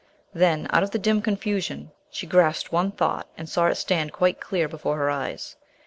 Then, out of the dim confusion, she grasped one thought and saw it stand quite clear before her eyes.